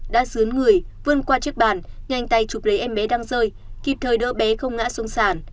đã dướng người vươn qua chiếc bàn nhanh tay chụp lấy em bé đang rơi kịp thời đỡ bé không ngã xuống sàn